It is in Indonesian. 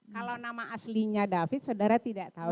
kalau nama aslinya david saudara tidak tahu